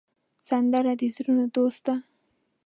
سندره د زړونو دوست ده